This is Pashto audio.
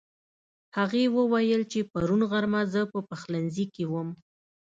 هغې وويل چې پرون غرمه زه په پخلنځي کې وم